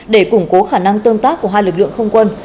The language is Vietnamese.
để củng cố khả năng tương tác của hai lực lượng không quân